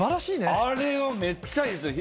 あれはめっちゃいいですね。